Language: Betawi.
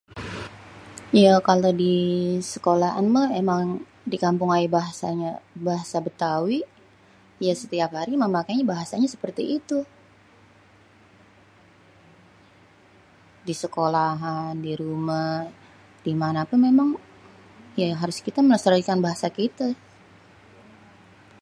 ye kalo di sekolaan meh emang di kampung aye bahasanye bahasa betawi ye setiap hari memakainye bahasanye seperti itu disekolaan dirumeh dimanapun memang kita harus melestarikan bahasa kite